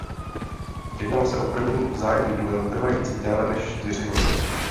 Jednalo se o první vzájemný duel trvající déle než čtyři hodiny.